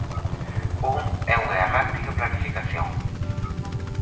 Un é unha errática planificación.